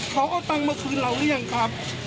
เขาเอาตังค์มาคืนเราหรือยังครับ